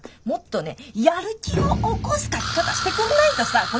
もっとねやる気を起こす書き方してくんないとさ